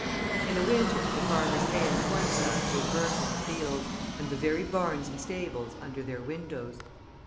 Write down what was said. In the winter the farmers' hay and corn stacks were burnt in the fields, and the very barns and stables under their windows.